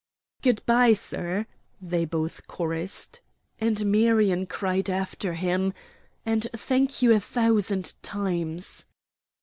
"Good by, sir," they both chorussed. And Marion cried after him, "And thank you a thousand times."